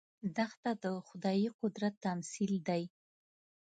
دښته د خدايي قدرت تمثیل دی.